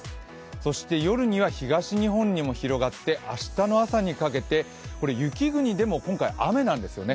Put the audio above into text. そして夜には東日本にも広がって明日の朝にかけて雪国でも今回雨なんですよね。